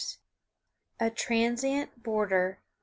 _ A TRANSIENT BOARDER.